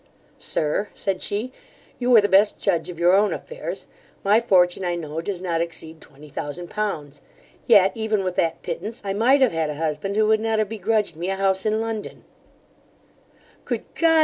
'Sir (said she), you are the best judge of your own affairs My fortune, I know, does not exceed twenty thousand pounds Yet, even with that pittance, I might have had a husband who would not have begrudged me a house in London' 'Good God!